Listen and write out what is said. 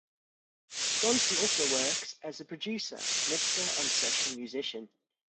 Johnson also works as a producer, mixer and session musician.